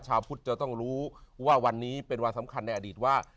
ชาวพุทธจะต้องรู้ว่าวันนี้เป็นวันสำคัญในอดีตว่า